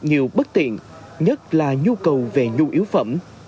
nhiều bất tiện nhất là nhu cầu về nhu yếu phẩm